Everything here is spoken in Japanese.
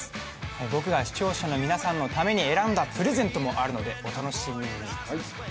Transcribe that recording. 僕が視聴者の皆さんのために選んだプレゼントもあるのでお楽しみに。